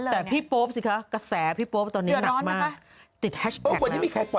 แต่พี่โป๊ปสิครับกระแสพี่โป๊ปตอนนี้หนักมาก